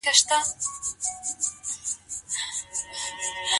تل د خپل ورور تر څنګ ودرېږئ او مرسته ورسره وکړئ.